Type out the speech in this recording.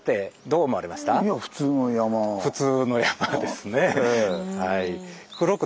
普通の山ですね。